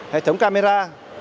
hệ thống camera